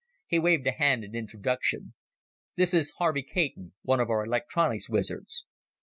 He waved a hand in introduction. "This is Harvey Caton, one of our electronics wizards."